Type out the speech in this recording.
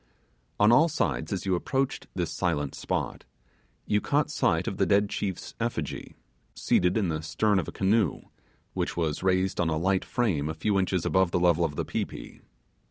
On all sides as you approached this silent spot you caught sight of the dead chief's effigy, seated in the stern of a canoe, which was raised on a light frame a few inches above the level of the pi pi.